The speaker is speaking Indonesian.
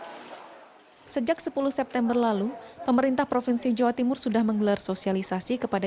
hai sejak sepuluh september lalu pemerintah provinsi jawa timur sudah menggelar sosialisasi kepada